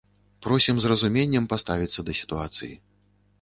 Просім з разуменнем паставіцца да сітуацыі.